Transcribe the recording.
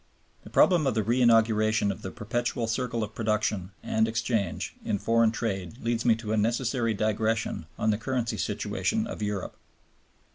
The problem of the re inauguration of the perpetual circle of production and exchange in foreign trade leads me to a necessary digression on the currency situation of Europe.